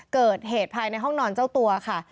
เกิดเหตุภายในห้องนอนเจ้าตัวค่ะ